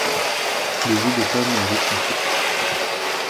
Le jus de pomme est riche en sucre.